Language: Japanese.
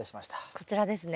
こちらですね。